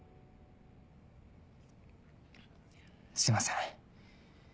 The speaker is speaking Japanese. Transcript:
すいません。